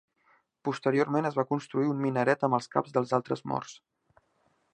Posteriorment es va construir un minaret amb els caps dels altres morts.